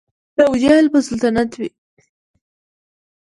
د ابوجهل به سلطنت وي